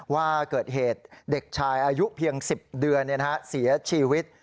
ว่าเกิดเหตุเด็กชายอายุเพียง๑๐เดือนเสียชีวิต